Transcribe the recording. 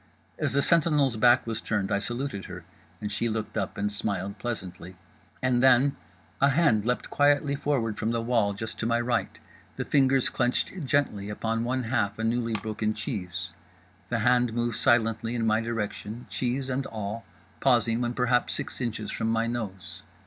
As the sentinel's back was turned I saluted her, and she looked up and smiled pleasantly. And then—a hand leapt quietly forward from the wall, just to my right; the fingers clenched gently upon one half a newly broken cheese; the hand moved silently in my direction, cheese and all, pausing when perhaps six inches from my nose.